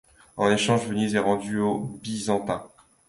En échange, Venise est rendue aux Byzantins.